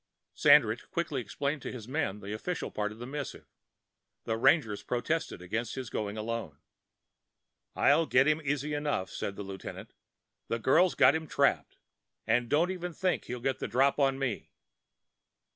Sandridge quickly explained to his men the official part of the missive. The rangers protested against his going alone. "I'll get him easy enough," said the lieutenant. "The girl's got him trapped. And don't even think he'll get the drop on me."